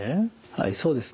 はいそうですね。